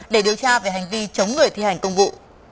để điều tra về hành vi chống người thi hành công vụ